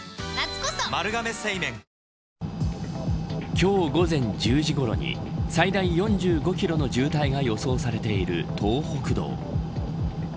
今日午前１０時ごろに最大４５キロの渋滞が予想されている東北道。